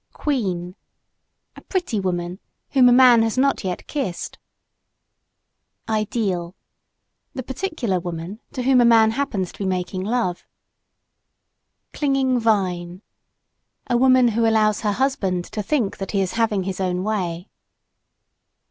QUEEN A pretty woman whom a man has not yet kissed. "IDEAL" The particular woman, to whom a man happens to be making love. CLINGING VINE A woman who allows her husband to think that he is having his own way.